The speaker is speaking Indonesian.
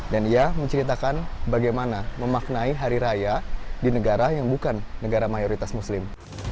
dan ia menceritakan bagaimana memaknai hari raya di negara yang bukan negara mayoritas muslim